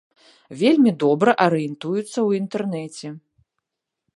Вельмі добра арыентуюцца ў інтэрнэце.